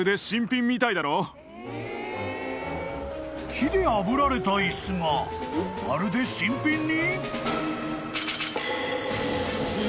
［火であぶられた椅子がまるで新品に？］